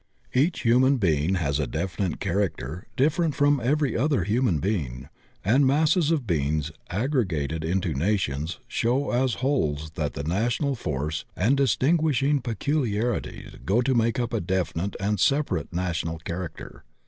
Each human being has a definite character different from every other human being, and masses of beings aggregated into nations show as wholes that the na tional force and distinguishing peculiarities go to make up a definite and separate national character.